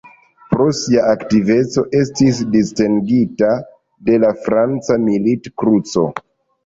Pro sia aktiveco estis distingita de la franca Milit-Kruco.